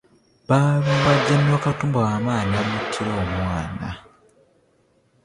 Baalumba genero Katumba Wamala ne bamuttira omwana.